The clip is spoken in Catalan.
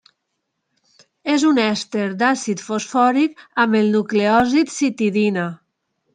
És un èster d'àcid fosfòric amb el nucleòsid citidina.